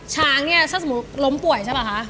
ช้างเนี่ยถ้าสมมุติล้มป่วยใช่ป่ะคะ